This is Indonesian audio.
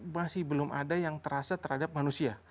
masih belum ada yang terasa terhadap manusia